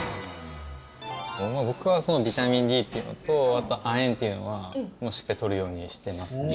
僕はビタミンＤというのとあと亜鉛というのはしっかり取るようにしてますね。